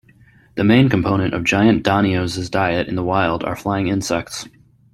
The main component of giant danios' diet in the wild are flying insects.